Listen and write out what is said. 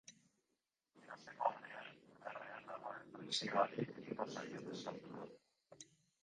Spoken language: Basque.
Erosteko unean indarrean dagoen prezioari egingo zaio deskontua.